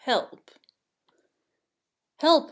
HELP! "Help!